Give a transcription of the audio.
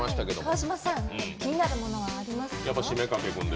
川島さん、気になるものはありますか？